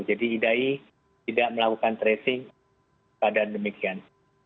jadi idae tidak melakukan tracing pada demikian